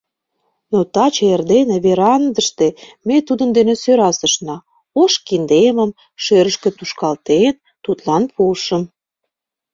Но таче эрдене верандыште ме тудын дене сӧрасышна: ош киндемым, шӧрышкӧ тушкалтен, тудлан пуышым.